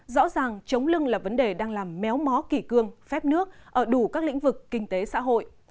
rõ ràng chống lưng là vấn đề đang làm méo mó kỷ cương phép nước ở đủ các lĩnh vực kinh tế xã hội